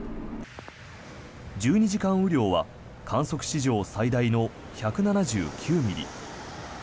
１２時間雨量は観測史上最大の１７９ミリ。